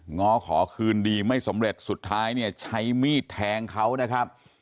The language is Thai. ง้อขอคืนดีไม่สำเร็จสุดท้ายเนี่ยใช้มีดแทงเขานะครับ